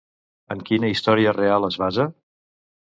En quina història real es basa?